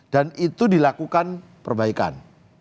dan itu dilakukan perbaikan